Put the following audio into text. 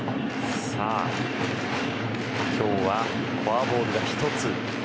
今日はフォアボールが１つ。